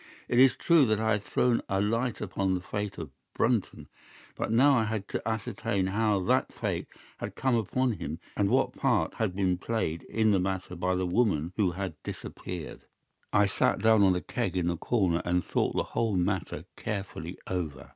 It is true that I had thrown a light upon the fate of Brunton, but now I had to ascertain how that fate had come upon him, and what part had been played in the matter by the woman who had disappeared. I sat down upon a keg in the corner and thought the whole matter carefully over.